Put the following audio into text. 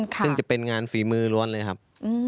ซึ่งจะเป็นงานฝีมือล้วนเลยครับ